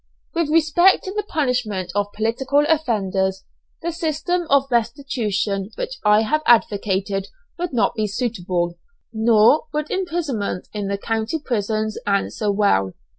With respect to the punishment of political offenders, the system of restitution which I have advocated would not be suitable, nor would imprisonment in the county prisons answer well.